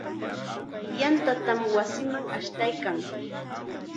Yantatam wasinman ashtaykan.